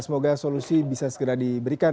semoga solusi bisa segera diberikan